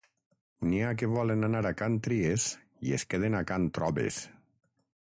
N'hi ha que volen anar a can Tries i es queden a can Trobes.